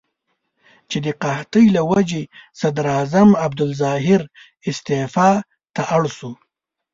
چې د قحطۍ له وجې صدراعظم عبدالظاهر استعفا ته اړ شو.